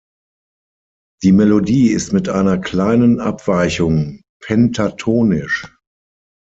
Die Melodie ist mit einer kleinen Abweichung pentatonisch.